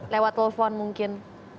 lewat telepon mungkin